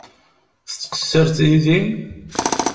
Tettqeṣṣireḍ yid-i?